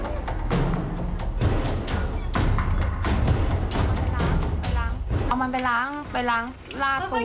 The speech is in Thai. เอามันไปล้างไปล้างลาดตัว